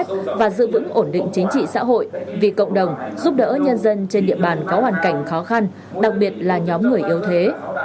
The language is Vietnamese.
chính trị xã hội vì cộng đồng giúp đỡ nhân dân trên địa bàn có hoàn cảnh khó khăn đặc biệt là nhóm người yếu thế